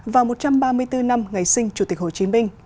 và một trăm ba mươi bốn năm ngày sinh chủ tịch hồ chí minh